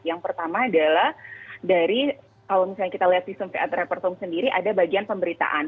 yang pertama adalah dari kalau misalnya kita lihat visum pat repertum sendiri ada bagian pemberitaan